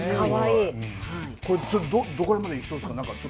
どこまでいきそうですか。